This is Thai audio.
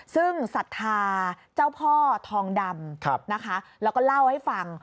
ซึ่งศรัทธาเจ้าพ่อทองดำนะคะแล้วก็เล่าให้ฟัง